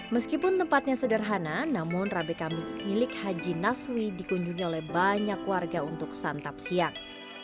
meskipun tempatnya sederhana namun rabe kambing milik haji naswi dikunjungi oleh banyak warga untuk santap siang